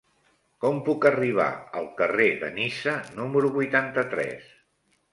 Com puc arribar al carrer de Niça número vuitanta-tres?